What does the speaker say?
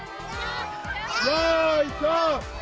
よいしょ。